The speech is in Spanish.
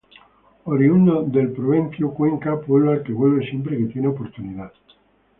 Oriundo de El Provencio, Cuenca, pueblo al que vuelve siempre que tiene oportunidad.